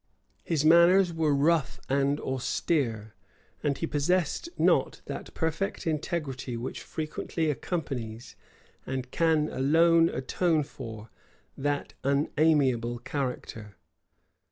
His manners were rough and austere; and he possessed not that perfect integrity which frequently accompanies, and can alone atone for, that unamiable character.